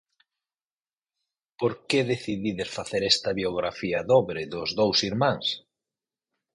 Por que decidides facer esta biografía dobre, dos dous irmáns?